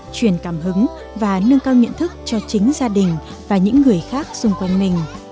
truyền cảm hứng và nâng cao nhận thức cho chính gia đình và những người khác xung quanh mình